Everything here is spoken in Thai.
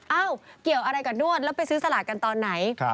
เกี่ยวอะไรกับนวดแล้วไปซื้อสลากกันตอนไหน